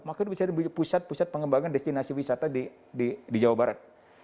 maka bisa di pusat pusat pengembangan destinasi wisata di jawa barat